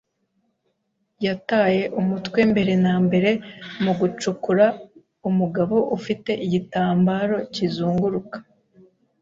yataye umutwe mbere na mbere mu gucukura; umugabo ufite igitambaro kizunguruka